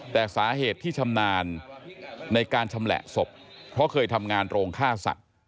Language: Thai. แต่สาเหตุที่ชำนาญในการชำแหละศพเพราะเคยทำงานโรงฆ่าสัตว์